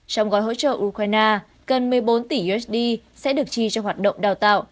trong gói hỗ trợ ukraine gần một mươi bốn tỷ usd sẽ được chi cho hoạt động đào tạo